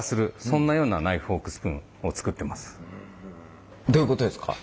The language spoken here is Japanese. そんなようなナイフフォークスプーンを作ってます。